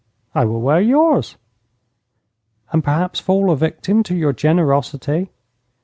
'I will wear yours.' 'And perhaps fall a victim to your generosity?'